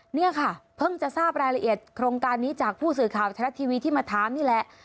นี่ค่ะเพิ่งจะทราบรายละเอียดโครงการนี้จากผู้สื่อข่าวทรัฐทีวีที่มาถามนี่แหละ